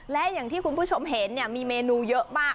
และอย่างที่คุณผู้ชมเห็นมีเมนูเยอะมาก